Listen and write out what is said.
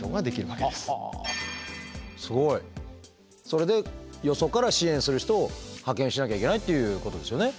それでよそから支援する人を派遣しなきゃいけないっていうことですよね？